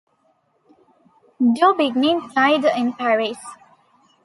Daubigny died in Paris.